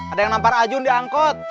ada yang nampar ajun diangkut